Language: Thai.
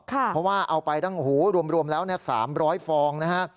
เพราะว่าเอาไปตั้งรวมแล้ว๓๐๐ฟองนะฮะ